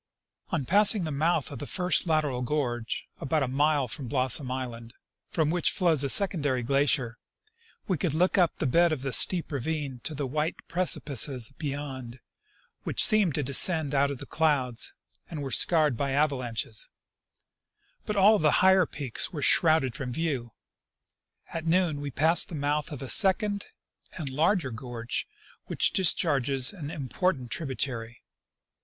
On passing the mouth ' of the Ascent of the Marvine Glacier. 123 first lateral gorge (about a mile from Blossom island), from which flows a secondary glacier, we could look up the bed of the steep ravine to the white precipices beyond, which seemed to descend out of the clouds, and were scarred by avalanches ; but all of the higher peaks were shrouded from view. At noon we passed the mouth of a second and larger gorge, which discharges an important tributary.